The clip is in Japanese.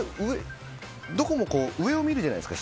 どこも上を見るじゃないですか。